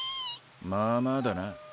まあまあだな。